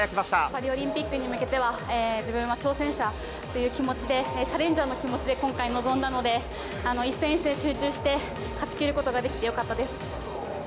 パリオリンピックに向けては、自分は挑戦者という気持ちで、チャレンジャーの気持ちで今回臨んだので、一戦一戦、集中して、勝ちきることができてよかったです。